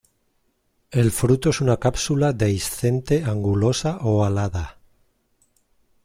El fruto es una cápsula dehiscente, angulosa o alada.